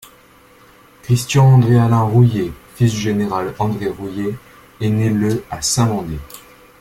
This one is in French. Christian André Alain Rouyer, fils du général André Rouyer, est né le à Saint-Mandé.